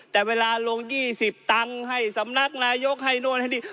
แต่เวลาลง๒๐ตังค์ให้สำนักนายกให้โน่นให้นี่